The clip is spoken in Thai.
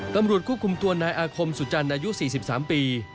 ตำรวจควบคุมตัวนายอาคมสุจันทร์อายุ๔๓ปี